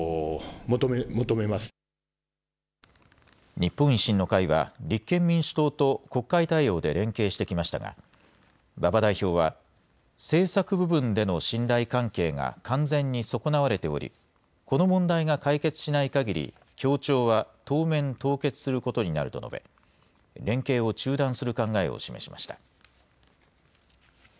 日本維新の会は、立憲民主党と国会対応で連携してきましたが、馬場代表は、政策部分での信頼関係が完全に損なわれており、この問題が解決しないかぎり、協調は当面凍結することになると述べ、連携を中断する考えを示しました。